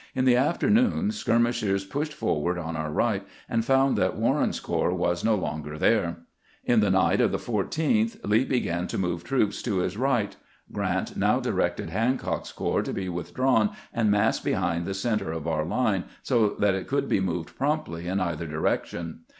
In the afternoon skirmishers pushed forward on our right, and found that Warren's corps was no longer there. In the night of the 14th Lee began to move troops to his right. Grant now directed Hancock's corps to be withdrawn and massed behind the center of our line, so that it could be moved promptly in either direction.